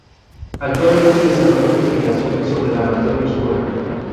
Actualmente desarrolla investigaciones sobre la materia oscura.